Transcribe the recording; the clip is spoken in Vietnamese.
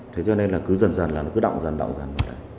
thế cho nên là cứ dần dần là nó cứ động dần động dần